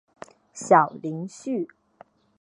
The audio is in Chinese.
小林旭。